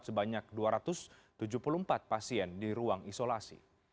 sebanyak dua ratus tujuh puluh empat pasien di ruang isolasi